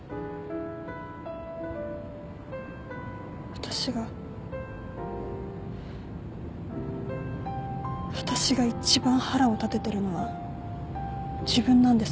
私が私が一番腹を立ててるのは自分なんです。